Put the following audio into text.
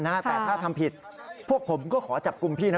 แต่ถ้าทำผิดพวกผมก็ขอจับกลุ่มพี่นะ